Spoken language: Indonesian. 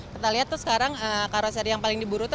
kita lihat tuh sekarang karoser yang paling di buru tuh